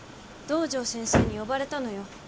堂上先生に呼ばれたのよ。